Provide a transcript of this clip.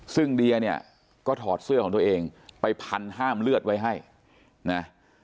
ซึ่งเดียเนี่ยก็ถอดเสื้อของตัวเองไปพันห้ามเลือดไว้ให้นะ